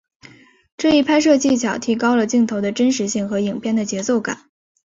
这一拍摄技巧提高了镜头的真实性和影片的节奏感。